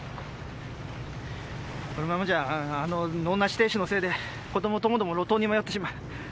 このままじゃあの能無し亭主のせいで子供ともども路頭に迷ってしまう。